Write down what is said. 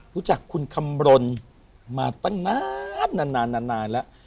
รู้จักคุณคำรณมาตั้งนานนานแล้ว